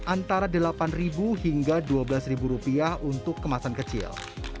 antara delapan hingga dua belas rupiah untuk kemasan kecil